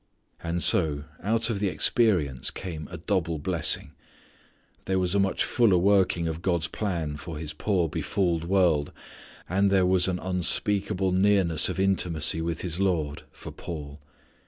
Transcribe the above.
And so out of the experience came a double blessing. There was a much fuller working of God's plan for His poor befooled world. And there was an unspeakable nearness of intimacy with his Lord for Paul.